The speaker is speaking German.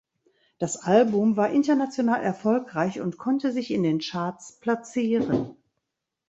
Das Album war international erfolgreich und konnte sich in den Charts platzieren.